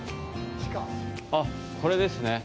あっ、これですね。